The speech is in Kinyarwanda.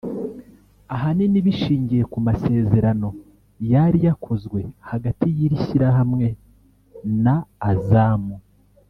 ahanini bishingiye ku masezerano yari yakozwe hagati y’iri shyirahamwe na Azam